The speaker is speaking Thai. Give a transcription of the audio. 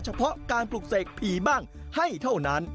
เฉพาะการปลูกเสกผีบ้างให้เท่านั้น